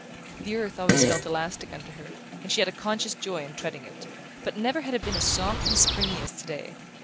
The earth always felt elastic under her, and she had a conscious joy in treading it; but never had it been as soft and springy as today.